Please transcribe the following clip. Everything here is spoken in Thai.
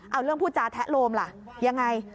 เอาเรื่องพูดจาแทะโลมล่ะยังไง